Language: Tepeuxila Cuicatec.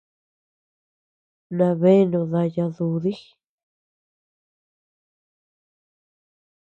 Nabeánu daya dudi.